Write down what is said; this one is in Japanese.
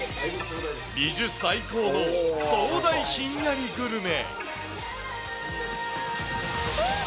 ビジュ最高の壮大ひんやりグルメ。